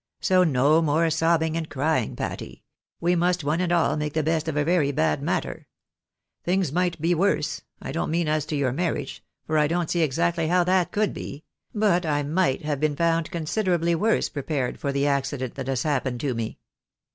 So no more sobbing and crying, Patty. We must one and all make the best of a very bad matter. Things might be worse — I don't mean as to your marriaffe^ for I don't see exactly how that could WHAT PATTY MEANT TO DO. 7 be ; but I migTit have been found considerably worse prepared for the accident that has happened to me."